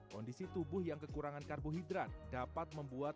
kondisi tubuh yang kekurangan karbohidrat dapat membuat